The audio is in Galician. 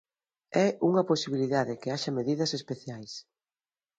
É unha posibilidade que haxa medidas especiais.